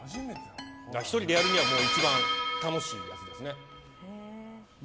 １人でやるには一番楽しいやつですね。